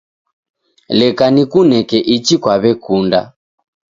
Leke nikuneke ichi kwaw'ekunda